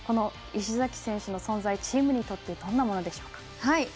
石崎選手の存在はチームにとってどんなものでしょう。